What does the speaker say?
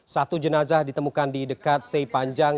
satu jenazah ditemukan di dekat sey panjang